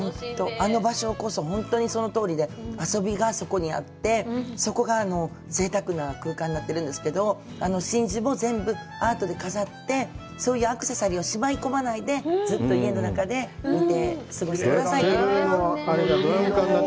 あの場所こそ本当にそのとおりで、遊びがそこにあって、そこがぜいたくな空間になってるんですけど、真珠も全部、アートで飾って、そういうアクセサリーをしまい込まないで、ずっと家の中で見て過ごしてくださいと。